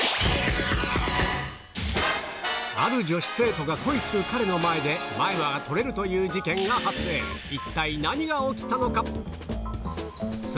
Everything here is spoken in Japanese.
ある女子生徒が恋する彼の前で前歯が取れるという事件が発生一体何が起きたのか？